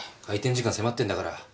開店時間迫ってんだから。